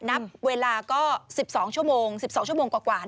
นับเวลาก็๑๒ชั่วโมง๑๒ชั่วโมงกว่า